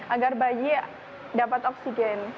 agar bayi dapat oksigen